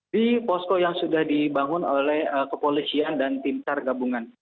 di posko yang sudah dibangun oleh kepolisian dan tim sar gabungan